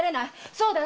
そうだろ？